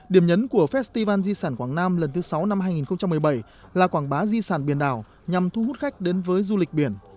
điểm nhấn của festival di sản quảng nam lần thứ sáu năm hai nghìn một mươi bảy là quảng bá di sản biển đảo nhằm thu hút khách đến với du lịch biển